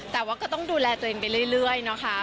แต่ว่าก็ต้องดูแลตัวเองไปเรื่อยนะคะ